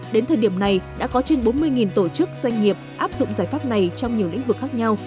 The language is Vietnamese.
đến thời điểm này đã có trên bốn mươi tổ chức doanh nghiệp áp dụng giải pháp này trong nhiều lĩnh vực khác nhau